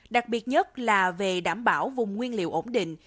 đặc biệt nhất là về đảm bảo vùng nguyên liệu ổn định